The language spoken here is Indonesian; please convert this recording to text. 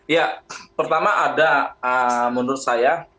ya pertama ada menurut saya